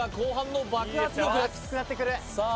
きつくなってくるさあ